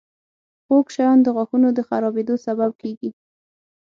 • خوږ شیان د غاښونو د خرابېدو سبب کیږي.